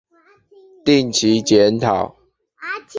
定期檢討